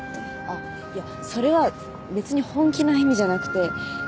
あっいやそれはべつに本気な意味じゃなくて。